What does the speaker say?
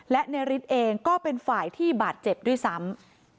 และในฤทธิ์เองก็เป็นฝ่ายที่บาดเจ็บด้วยซ้ำ